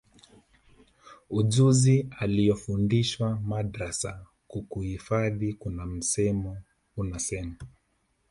ujuzi aliyofundishwa madrasa kukuhifadhi Kuna msemo unasema